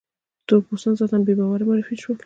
تور پوستان ذاتاً بې باوره معرفي شول.